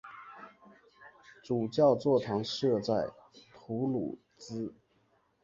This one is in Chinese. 主教座堂设在图卢兹。